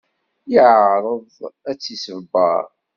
Yeεreḍ ad tt-iṣebber.